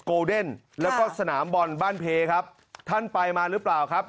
โกเดนแล้วก็สนามบอลบ้านเพครับท่านไปมาหรือเปล่าครับ